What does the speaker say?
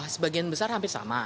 sebagian besar hampir sama